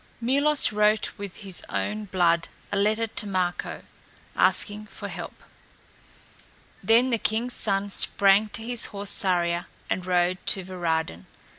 Milos wrote with his own blood a letter to Marko, asking for help. Then the king's son sprang to his horse Saria and rode to Varadin.